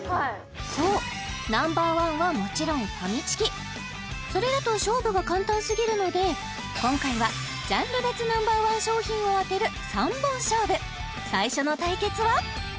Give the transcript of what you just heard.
そうＮｏ．１はもちろんファミチキそれだと勝負が簡単すぎるので今回はジャンル別Ｎｏ．１商品を当てる３本勝負最初の対決は？